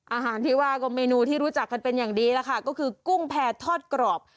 อาหารที่ว่าก็เมนูที่รู้จักกันเป็นอย่างดีแล้วค่ะก็คือกุ้งแผ่ทอดกรอบ